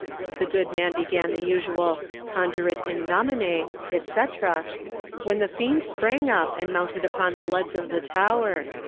The good man began the usual 'Conjurate in nomine,' etc., when the fiend sprang up and mounted upon the leads of the tower.